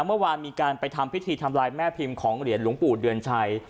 เมื่อวานมีการไปทำพิธีทำลายแม่พิมพ์ของเหรียญหลวงปู่เดือนชัย